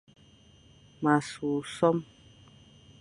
M a sughle sôm.